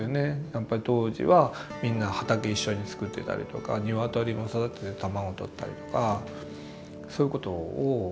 やっぱり当時はみんな畑一緒に作ってたりとか鶏も育てて卵とったりとかそういうことをみんな施設としてはしてた。